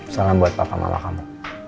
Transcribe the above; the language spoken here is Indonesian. salam buat papa mama kamu